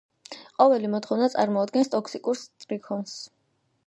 ყოველი მოთხოვნა წარმოადგენს ტექსტურ სტრიქონს.